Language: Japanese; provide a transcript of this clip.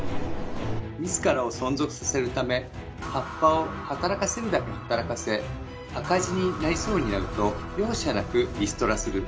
自らを存続させるため葉っぱを働かせるだけ働かせ赤字になりそうになると容赦なくリストラする。